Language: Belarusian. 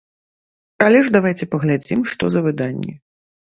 Але ж давайце паглядзім, што за выданні.